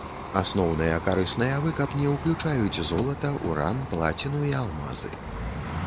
Асноўныя карысныя выкапні ўключаюць золата, уран, плаціну і алмазы.